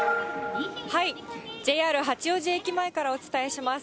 ＪＲ八王子駅前からお伝えします。